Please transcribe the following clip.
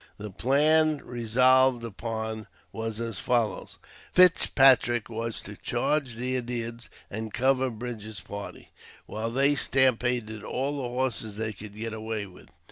The plan resolved upon was as follows : Fitzpatrick was to charge the Indians, and cover Bridger' s party, while they stampeded all the horses they could get away with.